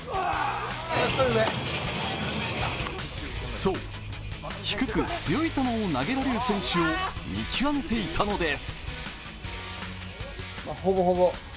そう、低く強い球を投げられる選手を見極めていたのです。